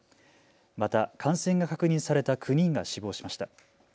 また感染が確認された９人が死亡しました。